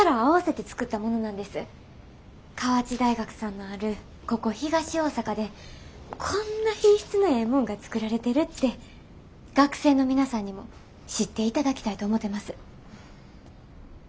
河内大学さんのあるここ東大阪でこんな品質のええもんが作られてるって学生の皆さんにも知っていただきたいと思うてます。